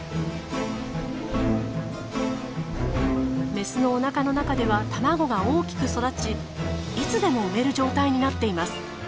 メスのおなかの中では卵が大きく育ちいつでも産める状態になっています。